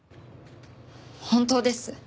本当です。